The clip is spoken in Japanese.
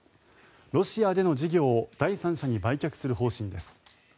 ロシアでの事業を第三者に売却する方針です。